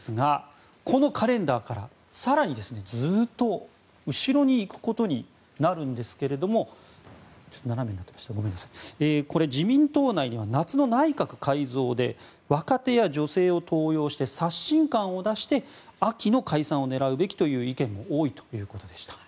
このカレンダーから更にずっと後ろに行くことになるんですがこれ、自民党内には夏の内閣改造で若手や女性を登用して刷新感を出して秋の解散を狙うべきという意見も多いということでした。